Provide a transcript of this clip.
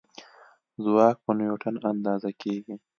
ځواک په نیوټن اندازه کېږي.